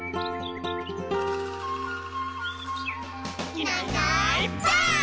「いないいないばあっ！」